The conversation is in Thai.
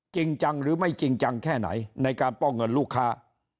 จริงจังหรือไม่จริงจังแค่ไหนในการป้องเงินลูกค้า